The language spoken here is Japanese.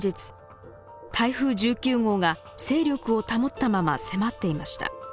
台風１９号が勢力を保ったまま迫っていました。